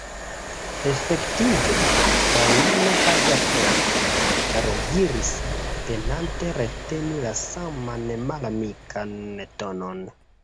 Efektive? fraŭlino Haverford rediris, penante reteni la saman malamikan tonon.